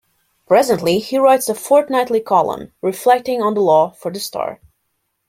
Presently he writes a fortnightly column "Reflecting on the Law" for the Star.